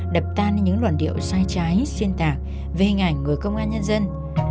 đập tan những luận điệu sai trái xuyên tạc về hình ảnh người công an nhân dân